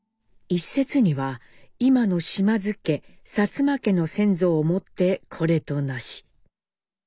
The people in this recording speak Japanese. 「一説には今の嶋津家薩摩家の先祖を以てこれとなし。